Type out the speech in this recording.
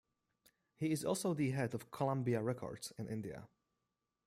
He is also the head of Columbia Records in India.